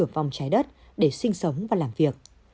và một vòng trái đất để sinh sống và làm việc